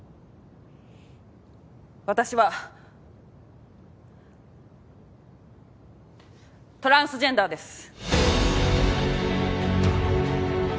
私はトランスジェンダーです。